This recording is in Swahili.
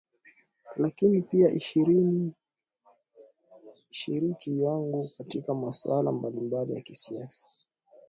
lakini pia ishiriki wangu katika maswala mbalimbali ya kisiasa